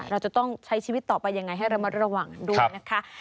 เราจะต้องใช้ชีวิตต่อไปยังไงให้เรามาระหว่างดูนะคะ